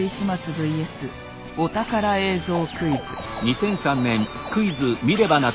ＶＳお宝映像クイズ。